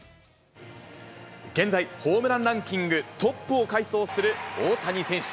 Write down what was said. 現在、ホームランランキングトップを快走する大谷選手。